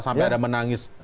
sampai ada menangis